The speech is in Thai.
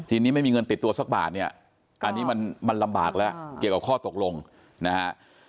ทีนี้ไม่มีเงินติดตัวสักบาทเนี่ยอันนี้มันลำบากแล้วเกี่ยวกับข้อตกลงนะฮะ